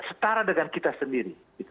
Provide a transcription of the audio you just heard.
setara dengan kita sendiri